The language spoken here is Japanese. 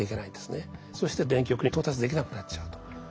そして電極に到達できなくなっちゃうと。